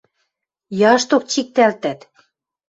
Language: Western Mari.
Яшток чиктӓлтӓт...